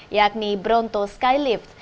yakni bronto skylift